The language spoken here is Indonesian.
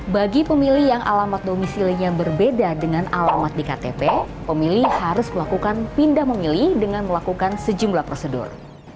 bagi pemilih yang alamat domisilinya berbeda dengan alamat di ktp pemilih harus melakukan pindah memilih dengan melakukan sejumlah prosedur